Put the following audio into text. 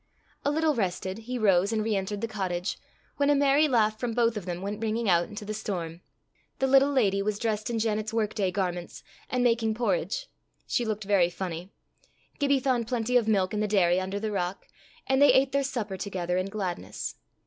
A little rested, he rose and re entered the cottage, when a merry laugh from both of them went ringing out into the storm: the little lady was dressed in Janet's workday garments, and making porridge. She looked very funny. Gibbie found plenty of milk in the dairy under the rock, and they ate their supper together in gladness.